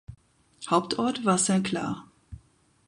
Hauptort war Saint-Clar.